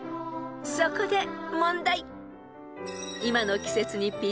［そこで問題］